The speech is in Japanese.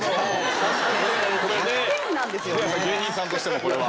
芸人さんとしてもこれは？